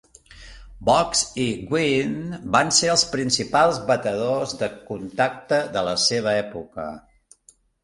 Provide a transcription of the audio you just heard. Boggs i Gwynn van ser els principals batedors de contacte de la seva època.